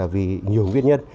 vì nhiều nguyên nhân